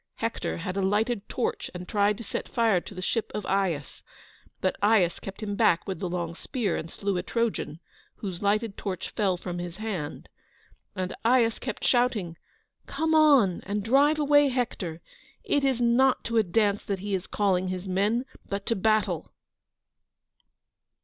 Hector had a lighted torch and tried to set fire to the ship of Aias; but Aias kept him back with the long spear, and slew a Trojan, whose lighted torch fell from his hand. And Aias kept shouting: "Come on, and drive away Hector; it is not to a dance that he is calling his men, but to battle."